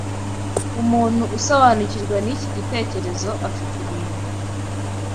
Umuntu usobanukirwa n’iki gitekerezo afite ibintu